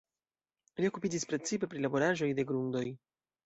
Li okupiĝis precipe pri laboraĵoj de grundoj.